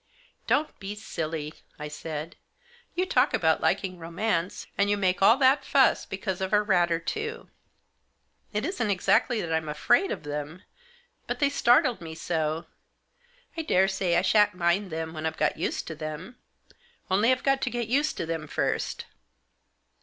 " Don't be silly," I said, " You talk about liking romance, and you make all that fuss because of a rat or two." " It isn't exactly that I'm afraid of them, but — they startled me so. I daresay I shan't mind them when I've got used to them, only — I've got to get used to them first."